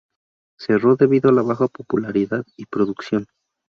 Cerró debido a la baja popularidad y producción.